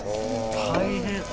「大変！」